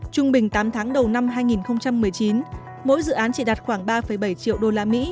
trung bình tám tháng đầu năm hai nghìn một mươi chín mỗi dự án chỉ đạt khoảng ba bảy triệu usd